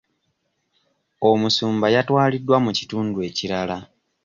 Omusumba yatwaliddwa mu kitundu ekirala.